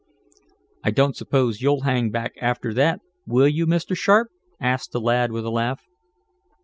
"I don't suppose you'll hang back after that; will you, Mr. Sharp?" asked the lad, with a laugh.